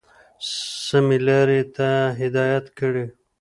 سمي لاري ته هدايت كړي،